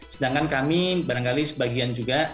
sedangkan kami barangkali sebagian juga